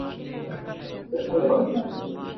Sui le ngun cu an sun ning aa dang.